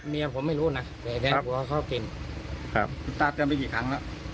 เมียผมไม่รู้นะแต่แดงบอกว่าเขาเก่งครับคุณตาเตือนไปกี่ครั้งแล้ว